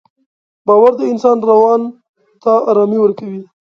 باور د انسان روان ته ارامي ورکوي.